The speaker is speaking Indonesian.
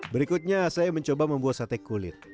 berikutnya saya mencoba membuat sate kulit